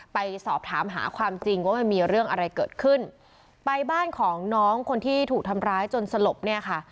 ไปสอบถามหาความจริงว่ามันมีเรื่องอะไรเกิดขึ้นไปบ้านของน้องคนที่ถูกทำร้ายจนสลบเนี่ยค่ะ